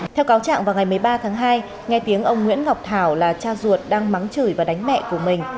theo cáo trạng vào ngày một mươi ba tháng hai nghe tiếng ông nguyễn ngọc thảo là cha ruột đang mắng chửi và đánh mẹ của mình